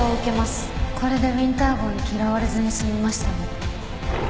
これでウィンター号に嫌われずに済みましたね。